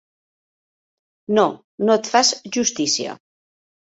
No, no et fas justícia.